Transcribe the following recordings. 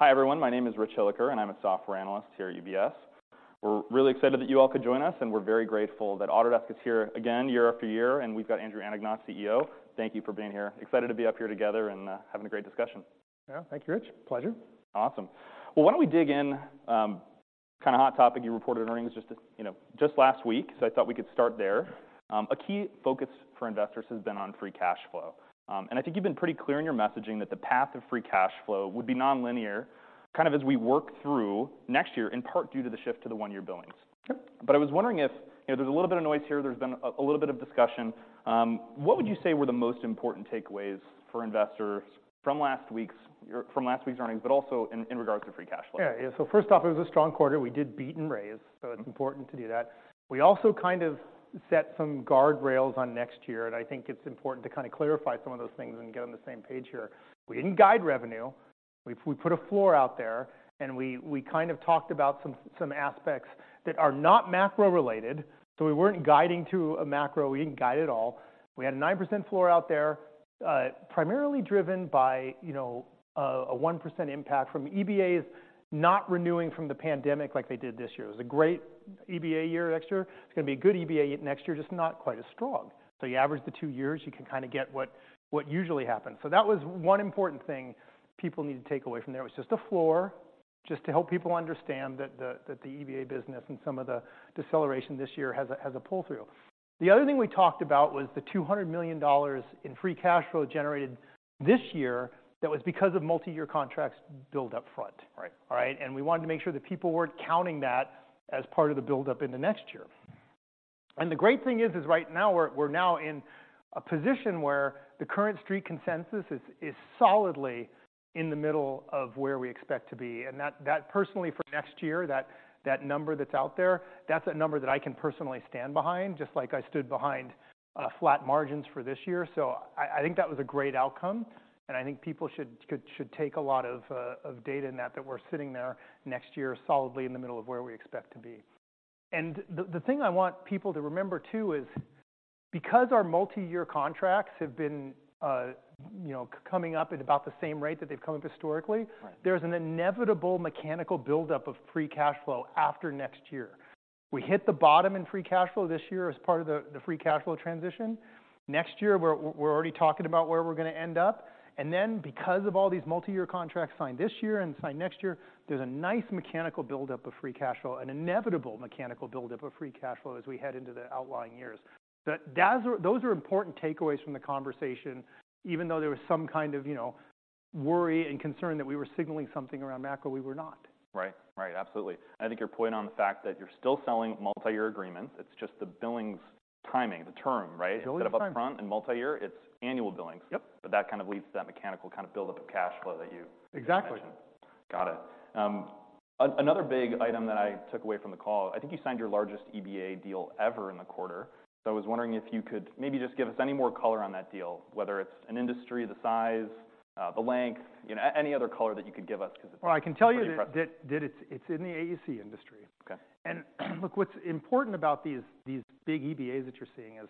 Hi, everyone. My name is Rich Hilliker, and I'm a Software Analyst here at UBS. We're really excited that you all could join us, and we're very grateful that Autodesk is here again, year after year, and we've got Andrew Anagnost, CEO. Thank you for being here. Excited to be up here together and having a great discussion. Yeah, thank you, Rich. Pleasure. Awesome! Well, why don't we dig in, kind of hot topic, you reported earnings just two, you know, just last week, so I thought we could start there. A key focus for investors has been on free cash flow. And I think you've been pretty clear in your messaging that the path of free cash flow would be nonlinear, kind of as we work through next year, in part due to the shift to the one-year billings. Sure. But I was wondering if, you know, there's a little bit of noise here, there's been a little bit of discussion. What would you say were the most important takeaways for investors from last week's earnings, but also in regards to free cash flow? Yeah. So first off, it was a strong quarter. We did beat and raise, so it's important to do that. We also kind of set some guardrails on next year, and I think it's important to kind of clarify some of those things and get on the same page here. We didn't guide revenue. We put a floor out there, and we kind of talked about some aspects that are not macro-related, so we weren't guiding to a macro. We didn't guide at all. We had a 9% floor out there, primarily driven by, you know, a 1% impact from EBAs not renewing from the pandemic like they did this year. It was a great EBA year last year. It's gonna be a good EBA next year, just not quite as strong. So you average the two years, you can kinda get what usually happens. So that was one important thing people need to take away from there. It was just a floor, just to help people understand that the EBA business and some of the deceleration this year has a pull-through. The other thing we talked about was the $200 million in free cash flow generated this year that was because of multi-year contracts billed up front. Right. All right? And we wanted to make sure that people weren't counting that as part of the buildup in the next year. And the great thing is right now, we're now in a position where the current Street consensus is solidly in the middle of where we expect to be. And that personally, for next year, that number that's out there, that's a number that I can personally stand behind, just like I stood behind flat margins for this year. So I think that was a great outcome, and I think people should take a lot of data in that we're sitting there next year solidly in the middle of where we expect to be. And the thing I want people to remember, too, is because our multi-year contracts have been, you know, coming up at about the same rate that they've come up historically. Right There's an inevitable mechanical buildup of free cash flow after next year. We hit the bottom in free cash flow this year as part of the free cash flow transition. Next year, we're already talking about where we're gonna end up, and then, because of all these multi-year contracts signed this year and signed next year, there's a nice mechanical buildup of free cash flow, an inevitable mechanical buildup of free cash flow as we head into the outlying years. So those are important takeaways from the conversation, even though there was some kind of, you know, worry and concern that we were signaling something around macro, we were not. Right. Right, absolutely. I think your point on the fact that you're still selling multi-year agreements, it's just the billings timing, the term, right? Billing timing. Instead of up front and multi-year, it's annual billings. Yep. But that kind of leads to that mechanical kind of buildup of cash flow that you Exactly Mentioned. Got it. Another big item that I took away from the call, I think you signed your largest EBA deal ever in the quarter. So I was wondering if you could maybe just give us any more color on that deal, whether it's an industry, the size, the length, you know, any other color that you could give us, 'cause Well, I can tell you. It's pretty impressive. That it's in the AEC industry. Okay. And look, what's important about these big EBAs that you're seeing is,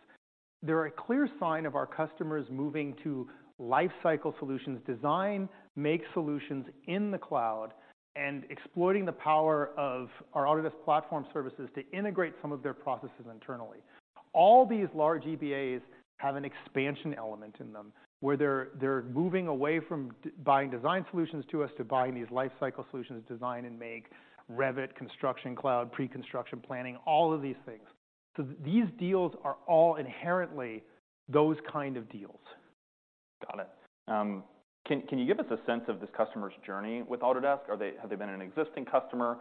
they're a clear sign of our customers moving to lifecycle solutions, design, make solutions in the cloud, and exploiting the power of our Autodesk Platform Services to integrate some of their processes internally. All these large EBAs have an expansion element in them, where they're moving away from buying design solutions to us to buying these lifecycle solutions, Design and Make, Revit, Construction Cloud, preconstruction planning, all of these things. So these deals are all inherently those kind of deals. Got it. Can you give us a sense of this customer's journey with Autodesk? Have they been an existing customer?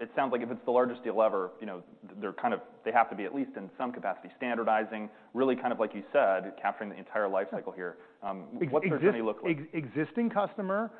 It sounds like if it's the largest deal ever, you know, they're kind of—they have to be, at least in some capacity, standardizing, really kind of like you said, capturing the entire life cycle here. Yeah. What's their journey look like? Existing customer,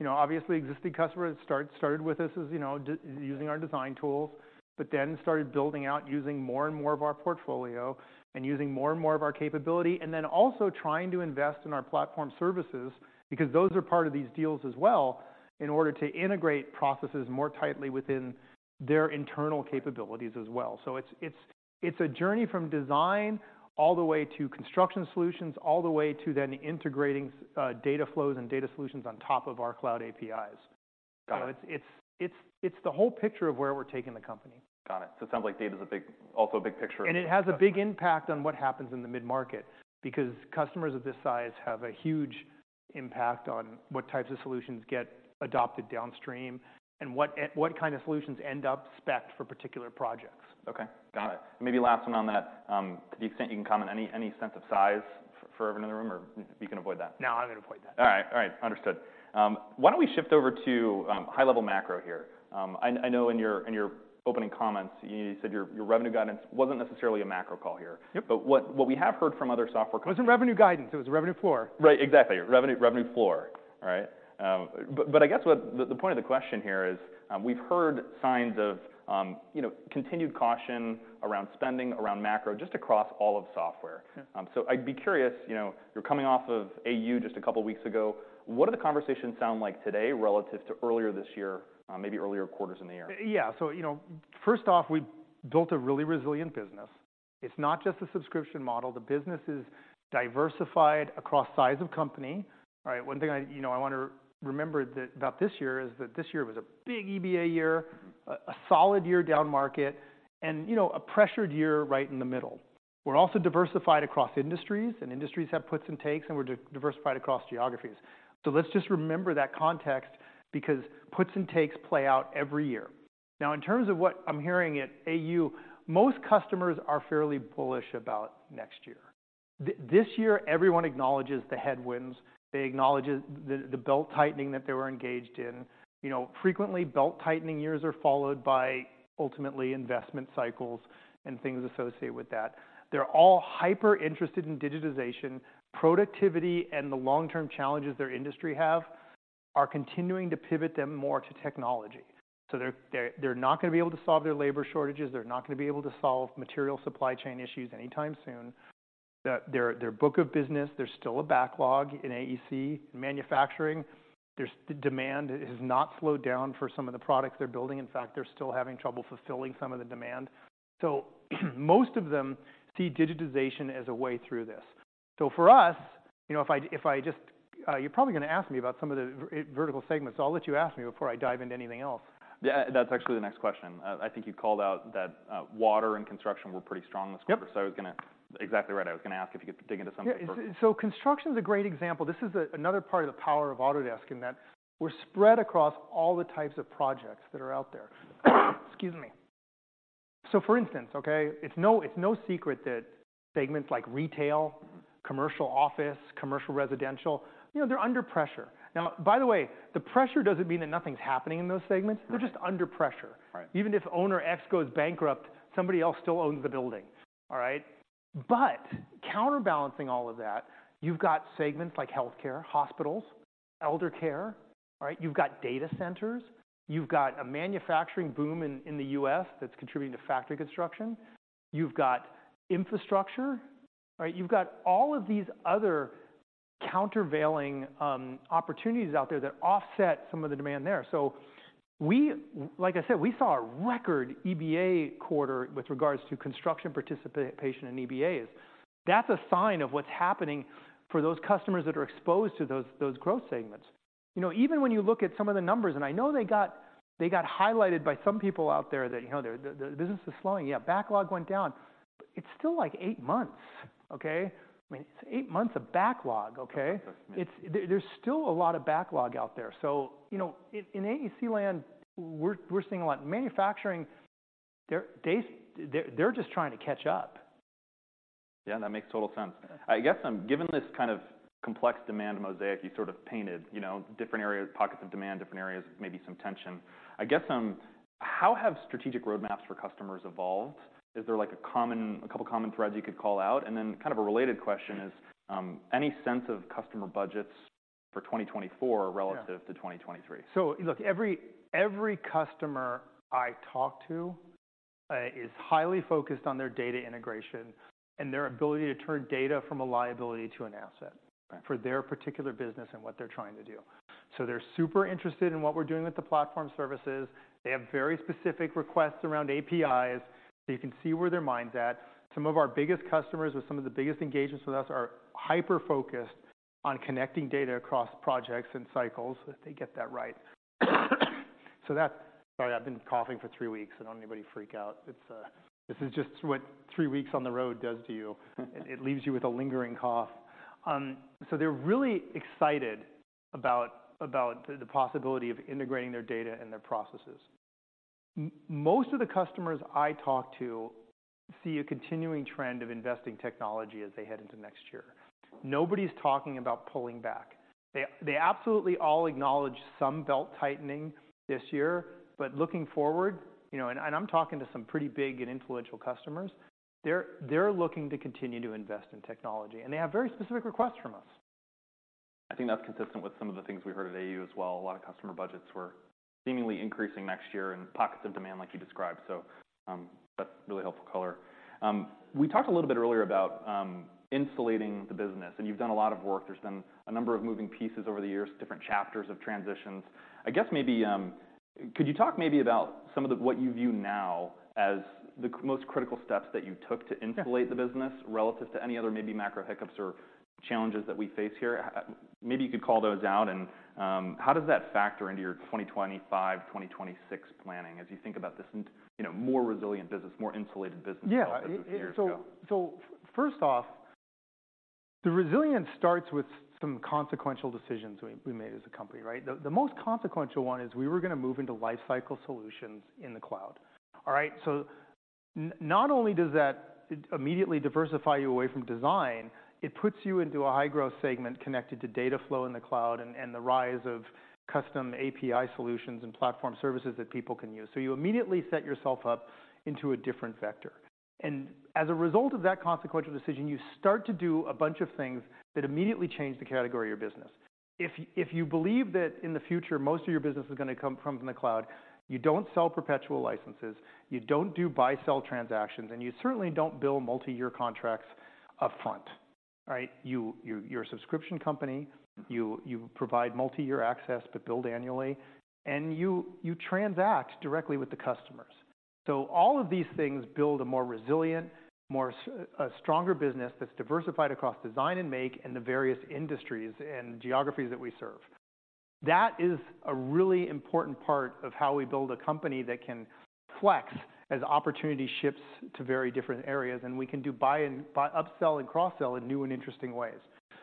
you know, obviously existing customer that started with us as, you know, using our design tools, but then started building out, using more and more of our portfolio and using more and more of our capability, and then also trying to invest in our platform services, because those are part of these deals as well, in order to integrate processes more tightly within their internal capabilities as well. So it's, it's, it's a journey from design all the way to construction solutions, all the way to then integrating data flows and data solutions on top of our cloud APIs. Got it. So it's the whole picture of where we're taking the company. Got it. So it sounds like data's a big, also a big picture. It has a big impact on what happens in the mid-market, because customers of this size have a huge impact on what types of solutions get adopted downstream, and what kind of solutions end up spec'd for particular projects. Okay, got it. Maybe last one on that. To the extent you can comment, any sense of size for everyone in the room, or you can avoid that? No, I'm gonna avoid that. All right. All right, understood. Why don't we shift over to high-level macro here? I know in your opening comments, you said your revenue guidance wasn't necessarily a macro call here. Yep. But what we have heard from other software companies. It wasn't revenue guidance, it was a revenue floor. Right, exactly. Revenue, revenue floor. All right? But I guess what the point of the question here is, we've heard signs of, you know, continued caution around spending, around macro, just across all of software. Yeah. I'd be curious, you know, you're coming off of AU just a couple of weeks ago, what do the conversations sound like today relative to earlier this year, maybe earlier quarters in the year? Yeah. So, you know, first off, we've built a really resilient business. It's not just a subscription model. The business is diversified across size of company. All right, one thing I, you know, I want to remember that about this year is that this year was a big EBA year, a solid year downmarket, and, you know, a pressured year right in the middle. We're also diversified across industries, and industries have puts and takes, and we're diversified across geographies. So let's just remember that context, because puts and takes play out every year. Now, in terms of what I'm hearing at AU, most customers are fairly bullish about next year. This year, everyone acknowledges the headwinds, they acknowledge the belt-tightening that they were engaged in. You know, frequently, belt-tightening years are followed by, ultimately, investment cycles and things associated with that. They're all hyper-interested in digitization. Productivity and the long-term challenges their industry have are continuing to pivot them more to technology. So they're not gonna be able to solve their labor shortages, they're not gonna be able to solve material supply chain issues anytime soon. Their book of business, there's still a backlog in AEC and manufacturing. The demand has not slowed down for some of the products they're building. In fact, they're still having trouble fulfilling some of the demand. So most of them see digitization as a way through this. So for us, you know, if I just, you're probably gonna ask me about some of the vertical segments, so I'll let you ask me before I dive into anything else. Yeah, that's actually the next question. I think you called out that water and construction were pretty strong this quarter. Yep. Exactly right. I was gonna ask if you could dig into some of them for Yeah, so construction's a great example. This is another part of the power of Autodesk, in that we're spread across all the types of projects that are out there. Excuse me. So for instance, okay, it's no, it's no secret that segments like retail, commercial office, commercial residential, you know, they're under pressure. Now, by the way, the pressure doesn't mean that nothing's happening in those segments. Right. They're just under pressure. Right. Even if owner X goes bankrupt, somebody else still owns the building, all right? But counterbalancing all of that, you've got segments like healthcare, hospitals, elder care, all right? You've got data centers, you've got a manufacturing boom in the U.S. that's contributing to factory construction. You've got infrastructure, right? You've got all of these other countervailing opportunities out there that offset some of the demand there. So we, like I said, we saw a record EBA quarter with regards to construction participation in EBAs. That's a sign of what's happening for those customers that are exposed to those growth segments. You know, even when you look at some of the numbers, and I know they got, they got highlighted by some people out there, that, you know, "The business is slowing." Yeah, backlog went down. It's still, like, eight months, okay? I mean, it's eight months of backlog, okay? That's amazing. There's still a lot of backlog out there. So, you know, in AEC land, we're seeing a lot. Manufacturing, they're just trying to catch up. Yeah, that makes total sense. I guess, given this kind of complex demand mosaic you sort of painted, you know, different areas, pockets of demand, different areas, maybe some tension. I guess, how have strategic roadmaps for customers evolved? Is there, like, a common, a couple common threads you could call out? And then, kind of a related question is, any sense of customer budgets for 2024. Yeah Relative to 2023? So look, every, every customer I talk to is highly focused on their data integration and their ability to turn data from a liability to an asset. Right For their particular business and what they're trying to do. So they're super interested in what we're doing with the platform services. They have very specific requests around APIs, so you can see where their mind's at. Some of our biggest customers with some of the biggest engagements with us are hyper-focused on connecting data across projects and cycles, if they get that right. Sorry, I've been coughing for three weeks. I don't want anybody to freak out. It's this is just what three weeks on the road does to you. It leaves you with a lingering cough. So they're really excited about the possibility of integrating their data and their processes. Most of the customers I talk to see a continuing trend of investing technology as they head into next year. Nobody's talking about pulling back. They absolutely all acknowledge some belt-tightening this year, but looking forward, you know, and I'm talking to some pretty big and influential customers, they're looking to continue to invest in technology, and they have very specific requests from us. I think that's consistent with some of the things we heard at AU as well. A lot of customer budgets were seemingly increasing next year in pockets of demand, like you described. So, that's really helpful color. We talked a little bit earlier about insulating the business, and you've done a lot of work. There's been a number of moving pieces over the years, different chapters of transitions. I guess maybe could you talk maybe about some of the what you view now as the most critical steps that you took to insulate. Yeah The business relative to any other maybe macro hiccups or challenges that we face here? Maybe you could call those out, and how does that factor into your 2025, 2026 planning as you think about this in, you know, more resilient business, more insulated business. Yeah As of years ago? So first off, the resilience starts with some consequential decisions we made as a company, right? The most consequential one is, we were gonna move into lifecycle solutions in the cloud. All right? So not only does that immediately diversify you away from design, it puts you into a high-growth segment connected to data flow in the cloud and the rise of custom API solutions and platform services that people can use. So you immediately set yourself up into a different vector, and as a result of that consequential decision, you start to do a bunch of things that immediately change the category of your business. If you believe that in the future, most of your business is gonna come from the cloud, you don't sell perpetual licenses, you don't do buy-sell transactions, and you certainly don't build multi-year contracts upfront. All right, you're a subscription company. You provide multi-year access, but billed annually, and you transact directly with the customers. So all of these things build a more resilient, a stronger business that's diversified across Design and Make, in the various industries and geographies that we serve. That is a really important part of how we build a company that can flex as opportunity shifts to very different areas, and we can do try and buy, upsell and cross-sell in new and interesting ways.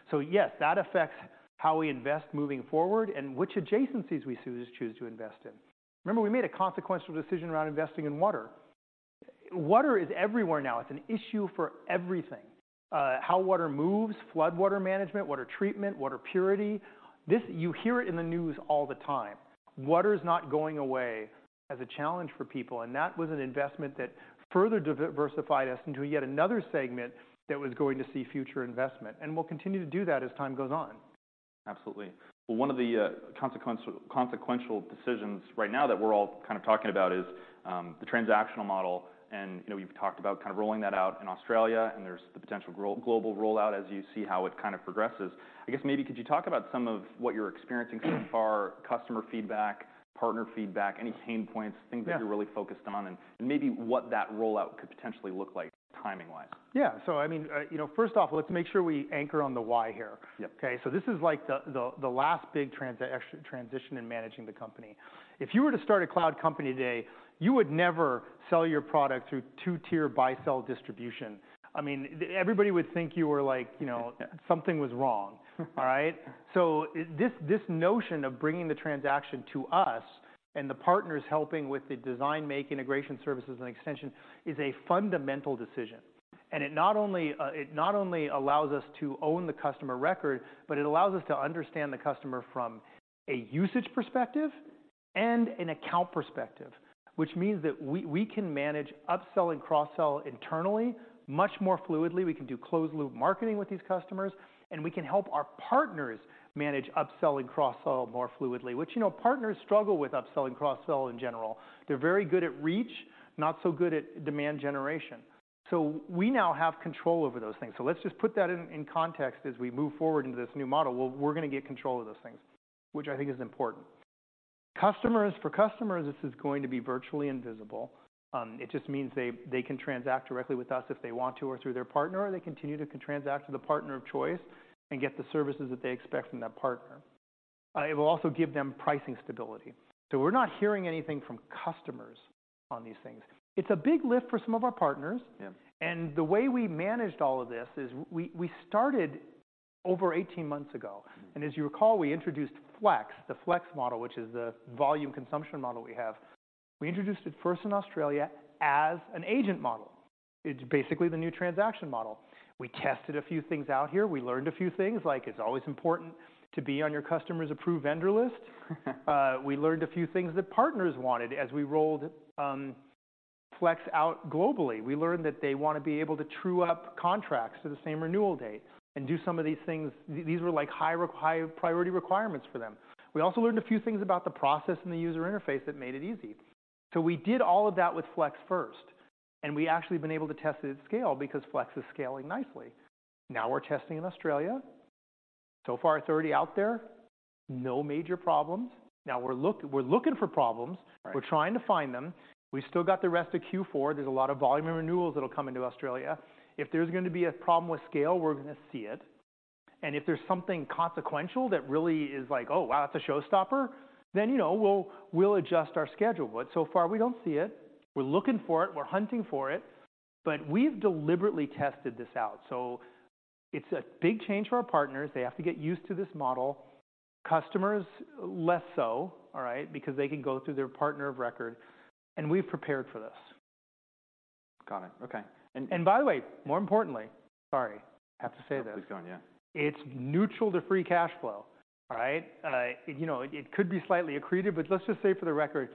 So yes, that affects how we invest moving forward and which adjacencies we choose to invest in. Remember, we made a consequential decision around investing in water. Water is everywhere now. It's an issue for everything. How water moves, flood water management, water treatment, water purity. This, you hear it in the news all the time. Water is not going away as a challenge for people, and that was an investment that further diversified us into yet another segment that was going to see future investment, and we'll continue to do that as time goes on. Absolutely. Well, one of the consequential decisions right now that we're all kind of talking about is the transactional model, and, you know, you've talked about kind of rolling that out in Australia, and there's the potential global rollout as you see how it kind of progresses. I guess maybe could you talk about some of what you're experiencing so far, customer feedback, partner feedback, any pain points. Yeah Things that you're really focused on, and, and maybe what that rollout could potentially look like timing-wise? Yeah. So I mean, you know, first off, let's make sure we anchor on the why here. Yep. Okay, so this is, like, the last big transition in managing the company. If you were to start a cloud company today, you would never sell your product through two-tier buy-sell distribution. I mean, everybody would think you were like, you know, something was wrong. All right? So this notion of bringing the transaction to us and the partners helping with the design, make, integration services and extension is a fundamental decision. And it not only allows us to own the customer record, but it allows us to understand the customer from a usage perspective and an account perspective, which means that we can manage upsell and cross-sell internally much more fluidly. We can do closed-loop marketing with these customers, and we can help our partners manage upsell and cross-sell more fluidly. Which, you know, partners struggle with upsell and cross-sell in general. They're very good at reach, not so good at demand generation. So we now have control over those things. So let's just put that in, in context as we move forward into this new model. Well, we're going to get control of those things, which I think is important. Customers, for customers, this is going to be virtually invisible. It just means they, they can transact directly with us if they want to, or through their partner, or they continue to transact through the partner of choice and get the services that they expect from that partner. It will also give them pricing stability. So we're not hearing anything from customers on these things. It's a big lift for some of our partners. Yeah. The way we managed all of this is we started over 18 months ago. Mm-hmm. As you recall, we introduced Flex, the Flex model, which is the volume consumption model we have. We introduced it first in Australia as an agent model. It's basically the new transaction model. We tested a few things out here. We learned a few things, like it's always important to be on your customer's approved vendor list. We learned a few things that partners wanted as we rolled Flex out globally. We learned that they want to be able to true up contracts to the same renewal date and do some of these things. These were, like, high priority requirements for them. We also learned a few things about the process and the user interface that made it easy. So we did all of that with Flex first, and we actually have been able to test it at scale because Flex is scaling nicely. Now we're testing in Australia. So far, it's already out there, no major problems. Now we're looking for problems. Right. We're trying to find them. We've still got the rest of Q4. There's a lot of volume and renewals that'll come into Australia. If there's going to be a problem with scale, we're going to see it. And if there's something consequential that really is like, "Oh, wow, that's a showstopper," then, you know, we'll, we'll adjust our schedule. But so far, we don't see it. We're looking for it, we're hunting for it, but we've deliberately tested this out. So it's a big change for our partners. They have to get used to this model. Customers, less so, all right? Because they can go through their partner of record, and we've prepared for this. Got it. Okay, and By the way, more importantly. Sorry, I have to say this. Please go on, yeah. It's neutral to free cash flow. All right? And I, you know, it could be slightly accretive, but let's just say for the record,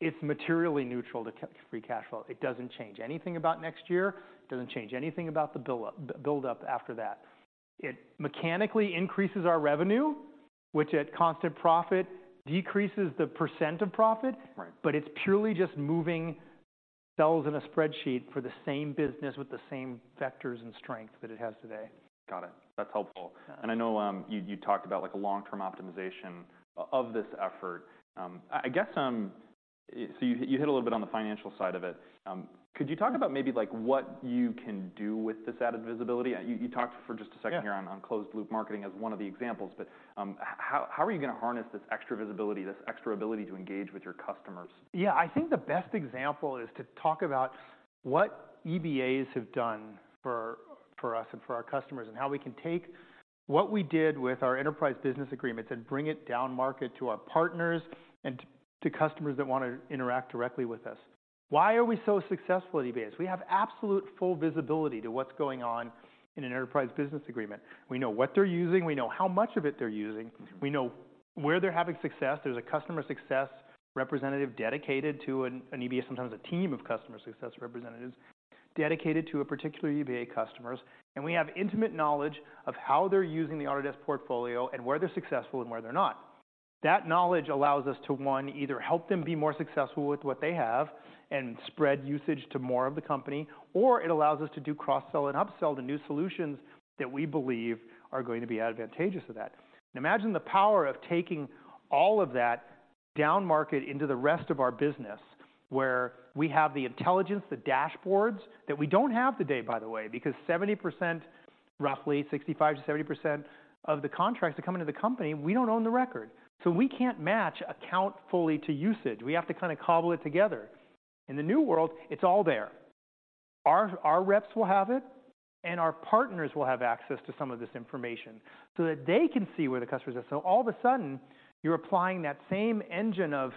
it's materially neutral to to free cash flow. It doesn't change anything about next year. It doesn't change anything about the build-up after that. It mechanically increases our revenue, which at constant profit, decreases the percent of profit. Right. But it's purely just moving cells in a spreadsheet for the same business with the same vectors and strength that it has today. Got it. That's helpful. Yeah. I know you talked about, like, the long-term optimization of this effort. I guess, so you hit a little bit on the financial side of it. Could you talk about maybe, like, what you can do with this added visibility? You talked for just a second here. Yeah On closed loop marketing as one of the examples, but how are you going to harness this extra visibility, this extra ability to engage with your customers? Yeah. I think the best example is to talk about what EBAs have done for us and for our customers, and how we can take what we did with our enterprise business agreements and bring it down market to our partners and to customers that want to interact directly with us. Why are we so successful at EBAs? We have absolute full visibility to what's going on in an enterprise business agreement. We know what they're using, we know how much of it they're using. Mm-hmm. We know where they're having success. There's a customer success representative dedicated to an EBA, sometimes a team of customer success representatives, dedicated to a particular EBA customers, and we have intimate knowledge of how they're using the Autodesk portfolio and where they're successful and where they're not. That knowledge allows us to, one, either help them be more successful with what they have and spread usage to more of the company, or it allows us to do cross-sell and upsell to new solutions that we believe are going to be advantageous to that. Imagine the power of taking all of that downmarket into the rest of our business, where we have the intelligence, the dashboards, that we don't have today, by the way, because 70%, roughly 65%-70% of the contracts that come into the company, we don't own the record. So we can't match account fully to usage. We have to kind of cobble it together. In the new world, it's all there. Our reps will have it, and our partners will have access to some of this information so that they can see where the customers are. So all of a sudden, you're applying that same engine of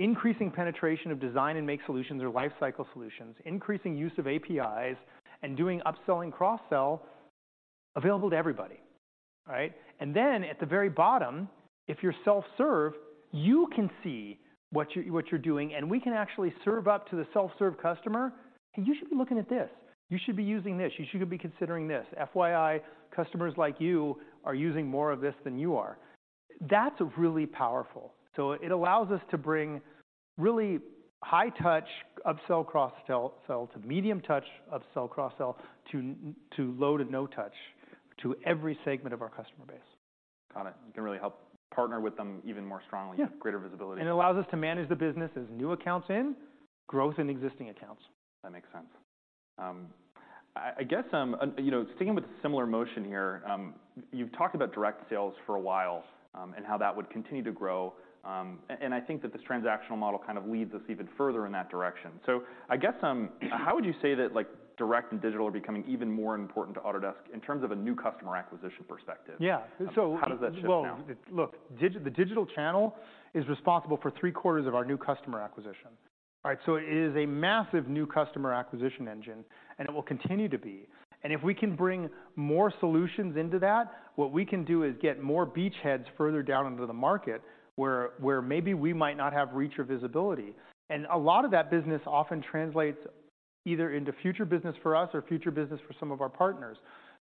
increasing penetration of Design and Make solutions or lifecycle solutions, increasing use of APIs, and doing upsell and cross-sell available to everybody. Right? And then, at the very bottom, if you're self-serve, you can see what you're doing, and we can actually serve up to the self-serve customer, "Hey, you should be looking at this. You should be using this. You should be considering this. FYI, customers like you are using more of this than you are." That's really powerful. So it allows us to bring really high-touch upsell, cross-sell to medium-touch upsell, cross-sell to low- to no-touch to every segment of our customer base. Got it. You can really help partner with them even more strongly. Yeah Greater visibility. And it allows us to manage the business as new accounts, growth in existing accounts. That makes sense. I guess, and, you know, sticking with a similar motion here, you've talked about direct sales for a while, and how that would continue to grow, and I think that this transactional model kind of leads us even further in that direction. So I guess, how would you say that, like, direct and digital are becoming even more important to Autodesk in terms of a new customer acquisition perspective? Yeah, so. How does that shift now? Well, look, the digital channel is responsible for three-quarters of our new customer acquisition. Right, so it is a massive new customer acquisition engine, and it will continue to be. And if we can bring more solutions into that, what we can do is get more beachheads further down into the market, where maybe we might not have reach or visibility. And a lot of that business often translates either into future business for us or future business for some of our partners.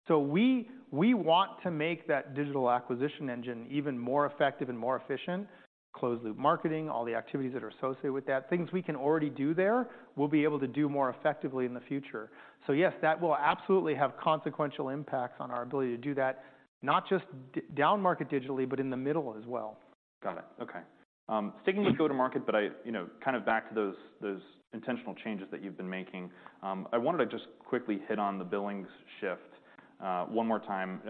So we want to make that digital acquisition engine even more effective and more efficient, closed-loop marketing, all the activities that are associated with that. Things we can already do there, we'll be able to do more effectively in the future. So yes, that will absolutely have consequential impacts on our ability to do that, not just downmarket digitally, but in the middle as well. Got it. Okay. Sticking with go-to-market, but I, you know, kind of back to those, those intentional changes that you've been making, I wanted to just quickly hit on the billings shift, one more time.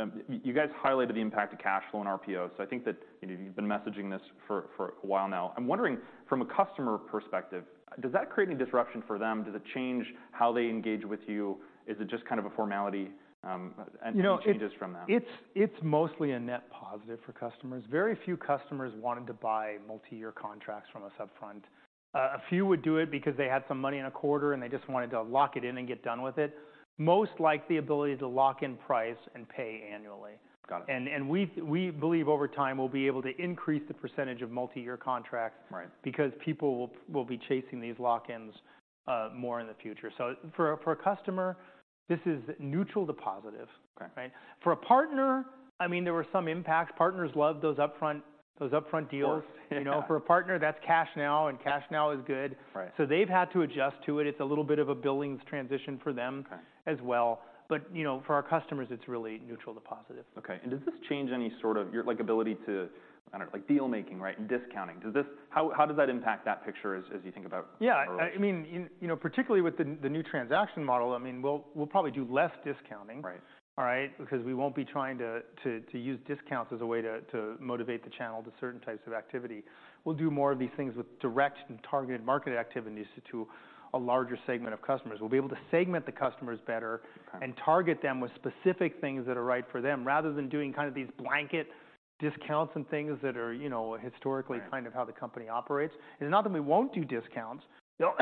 You guys highlighted the impact of cash flow on RPO, so I think that, you know, you've been messaging this for, for a while now. I'm wondering, from a customer perspective, does that create any disruption for them? Does it change how they engage with you? Is it just kind of a formality, and any changes from that? You know, it's mostly a net positive for customers. Very few customers wanted to buy multi-year contracts from us up front. A few would do it because they had some money in a quarter, and they just wanted to lock it in and get done with it. Most like the ability to lock in price and pay annually. Got it. We believe over time, we'll be able to increase the percentage of multi-year contracts. Right Because people will be chasing these lock-ins more in the future. So for a customer, this is neutral to positive. Okay. Right? For a partner, I mean, there were some impacts. Partners love those upfront, those upfront deals. Of course. You know, for a partner, that's cash now, and cash now is good. Right. They've had to adjust to it. It's a little bit of a billings transition for them. Okay As well. But, you know, for our customers, it's really neutral to positive. Okay, and does this change any sort of your, like, ability to, I don't know, like deal-making, right, and discounting? Does this. How, how does that impact that picture as, as you think about- Yeah, I mean, you know, particularly with the new transaction model, I mean, we'll probably do less discounting. Right. All right? Because we won't be trying to use discounts as a way to motivate the channel to certain types of activity. We'll do more of these things with direct and targeted market activities to a larger segment of customers. We'll be able to segment the customers better. Okay. And target them with specific things that are right for them, rather than doing kind of these blanket discounts and things that are, you know, historically- Right Kind of how the company operates. Not that we won't do discounts, they'll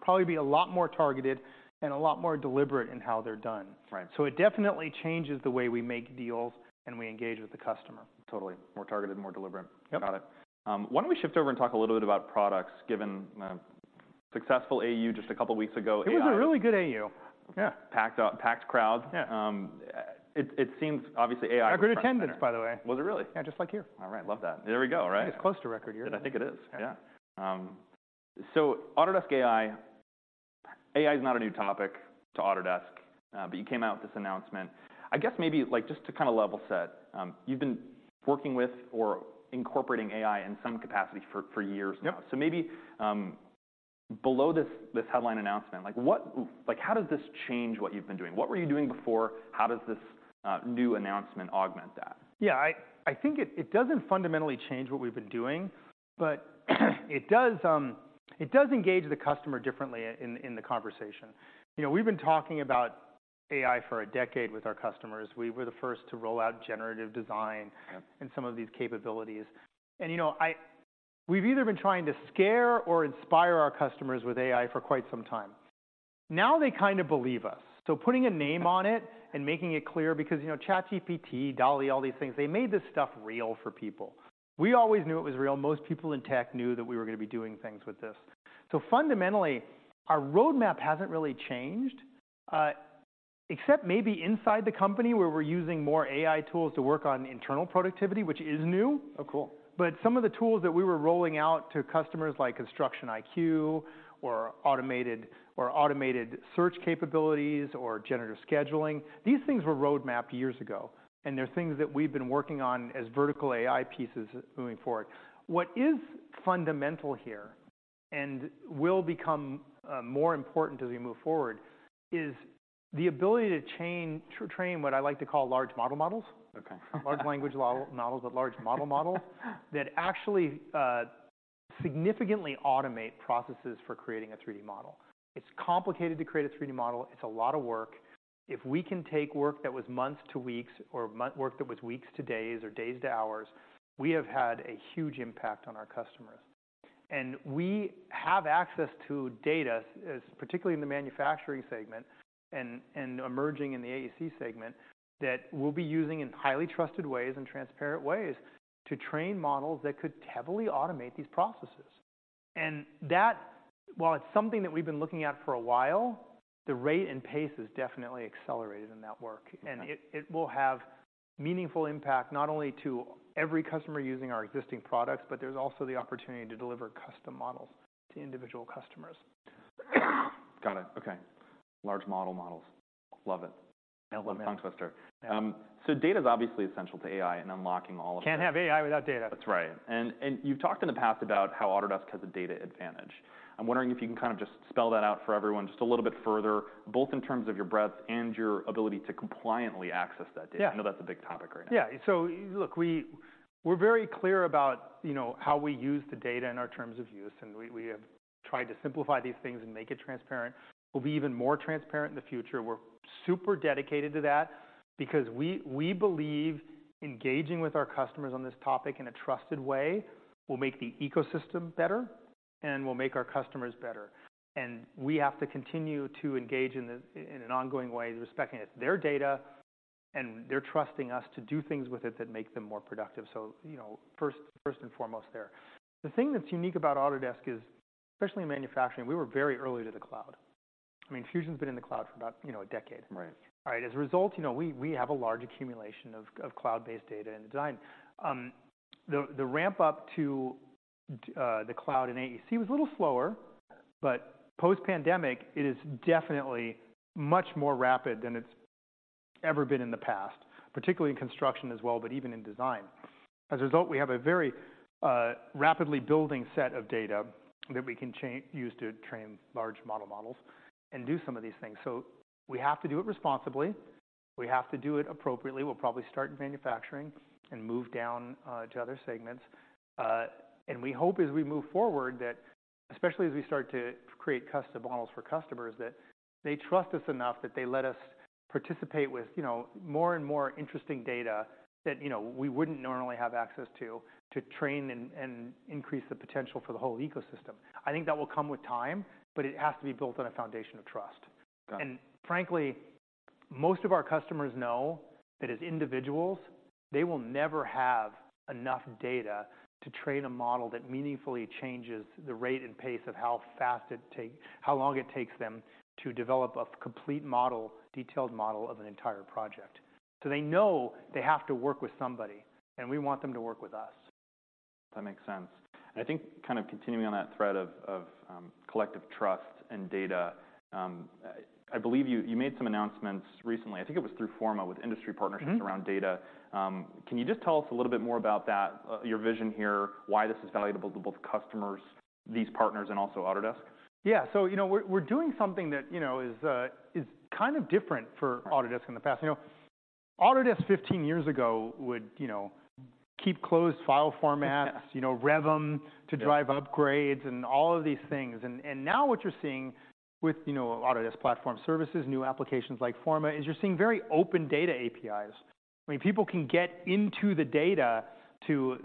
probably be a lot more targeted and a lot more deliberate in how they're done. Right. So it definitely changes the way we make deals and we engage with the customer. Totally. More targeted, more deliberate. Yep. Got it. Why don't we shift over and talk a little bit about products, given successful AU just a couple weeks ago, AI It was a really good AU. Yeah. Packed up, packed crowd. Yeah. It seems obviously AI A good attendance, by the way. Was it really? Yeah, just like you. All right, love that. There we go, right? It's close to a record year. I think it is. Yeah. Yeah. So Autodesk AI, AI is not a new topic to Autodesk, but you came out with this announcement. I guess maybe, like, just to kind of level set, you've been working with or incorporating AI in some capacity for years now. Yep. So maybe, below this, this headline announcement, like, what—like, how does this change what you've been doing? What were you doing before? How does this, new announcement augment that? Yeah, I think it doesn't fundamentally change what we've been doing, but it does engage the customer differently in the conversation. You know, we've been talking about AI for a decade with our customers. We were the first to roll out Generative Design. Yep. And some of these capabilities. And, you know, we've either been trying to scare or inspire our customers with AI for quite some time. Now they kind of believe us, so putting a name on it and making it clear, because, you know, ChatGPT, DALL-E, all these things, they made this stuff real for people. We always knew it was real. Most people in tech knew that we were gonna be doing things with this. So fundamentally, our roadmap hasn't really changed. Except maybe inside the company, where we're using more AI tools to work on internal productivity, which is new. Oh, cool. But some of the tools that we were rolling out to customers, like Construction IQ or automated search capabilities or generative scheduling, these things were roadmapped years ago, and they're things that we've been working on as vertical AI pieces moving forward. What is fundamental here, and will become more important as we move forward, is the ability to chain to train what I like to call Large Model Models. Okay. Large language models, but Large Model Models, that actually significantly automate processes for creating a 3D model. It's complicated to create a 3D model. It's a lot of work. If we can take work that was months to weeks or work that was weeks to days or days to hours, we have had a huge impact on our customers. And we have access to data, as particularly in the manufacturing segment and emerging in the AEC segment, that we'll be using in highly trusted ways and transparent ways to train models that could heavily automate these processes. And that, while it's something that we've been looking at for a while, the rate and pace has definitely accelerated in that work. Okay. It will have meaningful impact, not only to every customer using our existing products, but there's also the opportunity to deliver custom models to individual customers. Got it. Okay. Large Model Models. Love it. Love them. Tongue twister. Yeah. So data's obviously essential to AI and unlocking all of the Can't have AI without data. That's right. And, you've talked in the past about how Autodesk has a data advantage. I'm wondering if you can kind of just spell that out for everyone just a little bit further, both in terms of your breadth and your ability to compliantly access that data? Yeah. I know that's a big topic right now. Yeah, so look, we're very clear about, you know, how we use the data in our terms of use, and we have tried to simplify these things and make it transparent. We'll be even more transparent in the future. We're super dedicated to that because we believe engaging with our customers on this topic in a trusted way will make the ecosystem better and will make our customers better. And we have to continue to engage in this in an ongoing way, respecting it. It's their data, and they're trusting us to do things with it that make them more productive, so, you know, first and foremost there. The thing that's unique about Autodesk is, especially in manufacturing, we were very early to the cloud. I mean, Fusion's been in the cloud for about, you know, a decade. Right. All right, as a result, you know, we have a large accumulation of cloud-based data in design. The ramp-up to the cloud in AEC was a little slower, but post-pandemic, it is definitely much more rapid than it's ever been in the past, particularly in construction as well, but even in design. As a result, we have a very rapidly building set of data that we can use to train large models and do some of these things. So we have to do it responsibly. We have to do it appropriately. We'll probably start in manufacturing and move down to other segments. And we hope as we move forward, that, especially as we start to create custom models for customers, that they trust us enough that they let us participate with, you know, more and more interesting data that, you know, we wouldn't normally have access to, to train and increase the potential for the whole ecosystem. I think that will come with time, but it has to be built on a foundation of trust. Got it. And frankly, most of our customers know that as individuals, they will never have enough data to train a model that meaningfully changes the rate and pace of how long it takes them to develop a complete model, detailed model of an entire project. So they know they have to work with somebody, and we want them to work with us. That makes sense. And I think kind of continuing on that thread of collective trust and data, I believe you made some announcements recently, I think it was through Forma, with industry partnerships. Mm-hmm Around data. Can you just tell us a little bit more about that, your vision here, why this is valuable to both customers, these partners, and also Autodesk? Yeah. So, you know, we're doing something that, you know, is kind of different for Autodesk in the past. You know, Autodesk, 15 years ago, would, you know, keep closed file formats, you know, rev them Yeah To drive upgrades and all of these things. And now what you're seeing with, you know, Autodesk Platform Services, new applications like Forma, is you're seeing very open data APIs. I mean, people can get into the data to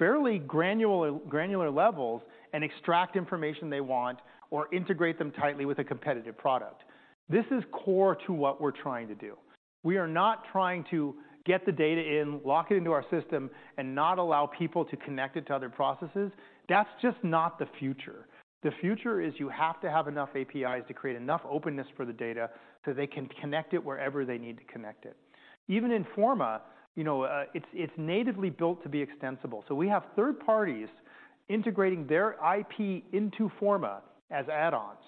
fairly granular levels and extract information they want or integrate them tightly with a competitive product. This is core to what we're trying to do. We are not trying to get the data in, lock it into our system, and not allow people to connect it to other processes. That's just not the future. The future is, you have to have enough APIs to create enough openness for the data, so they can connect it wherever they need to connect it. Even in Forma, you know, it's natively built to be extensible. So we have third parties integrating their IP into Forma as add-ons.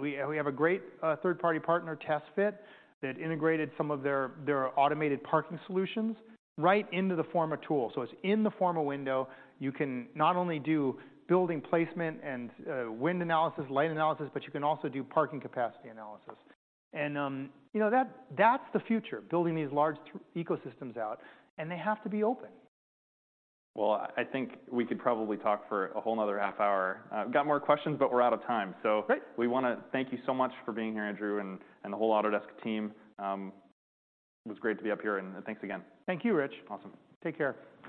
We have a great third-party partner, TestFit, that integrated some of their automated parking solutions right into the Forma tool. So it's in the Forma window. You can not only do building placement and wind analysis, light analysis, but you can also do parking capacity analysis. And you know, that's the future, building these large ecosystems out, and they have to be open. Well, I think we could probably talk for a whole another half hour. We've got more questions, but we're out of time. Great. We wanna thank you so much for being here, Andrew, and the whole Autodesk team. It was great to be up here, and thanks again. Thank you, Rich. Awesome. Take care.